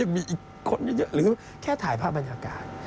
ยังมีอีกคนใหญ่เยอะเรียกว่าแค่ถ่ายภาพบรรยากาศ